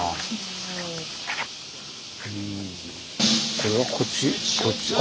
これはこっちあ？